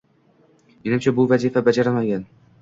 Menimcha, bu vazifa bajarilmagan